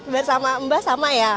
bersama mbak sama ya